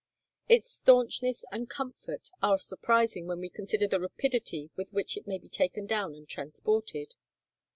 Its stanchness and comfort are surprising when we consider the rapidity with which it may be taken down and transported.